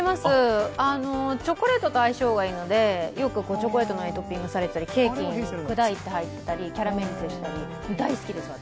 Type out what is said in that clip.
チョレコートと相性がいいので、よくチョコレートを使われているケーキに砕いて入ってたりキャラメリゼしたり、大好きです、私。